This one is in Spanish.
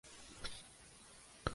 Su madera se utiliza en carpintería.